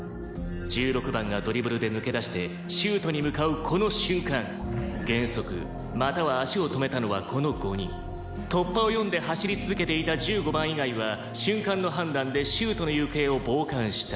「１６番がドリブルで抜け出してシュートに向かうこの瞬間減速または足を止めたのはこの５人」「突破を読んで走り続けていた１５番以外は瞬間の判断でシュートの行方を傍観した」